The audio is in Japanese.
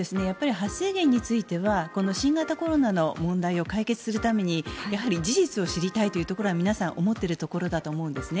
発生源については新型コロナの問題を解決するためにやはり事実を知りたいというところは皆さん、思っているところだと思うんですね。